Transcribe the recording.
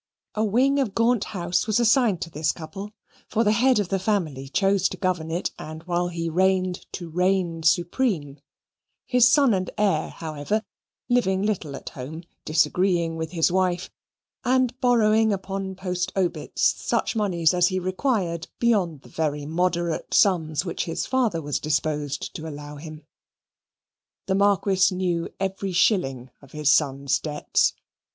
A wing of Gaunt House was assigned to this couple; for the head of the family chose to govern it, and while he reigned to reign supreme; his son and heir, however, living little at home, disagreeing with his wife, and borrowing upon post obits such moneys as he required beyond the very moderate sums which his father was disposed to allow him. The Marquis knew every shilling of his son's debts.